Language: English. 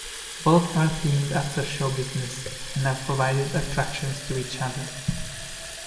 Both are themed after show business, and have provided attractions to each other.